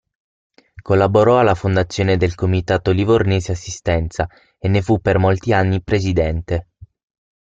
Collaborò alla fondazione del Comitato Livornese Assistenza e ne fu per molti anni presidente.